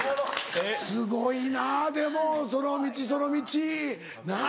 すごいなでもその道その道なぁ。